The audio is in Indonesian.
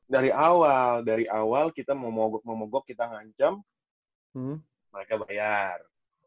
dari awal dari awal kita mau mogok memogok kita ngancam mereka bayar